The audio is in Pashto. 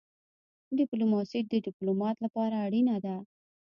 ډيپلوماسي د ډيپلومات لپاره اړینه ده.